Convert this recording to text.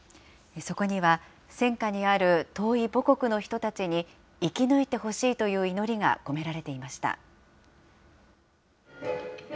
そこには、戦禍にある遠い母国の人たちに、生き抜いてほしいという祈りが込められていました。